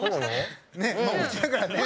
おうちだから。ね。